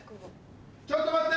・ちょっと待った！